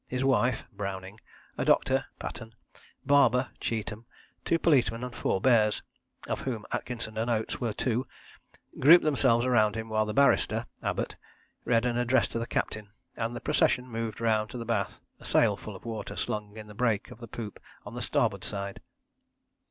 His wife (Browning), a doctor (Paton), barber (Cheetham), two policemen and four bears, of whom Atkinson and Oates were two, grouped themselves round him while the barrister (Abbott) read an address to the captain, and then the procession moved round to the bath, a sail full of water slung in the break of the poop on the starboard side.